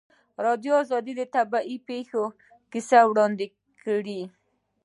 ازادي راډیو د طبیعي پېښې کیسې وړاندې کړي.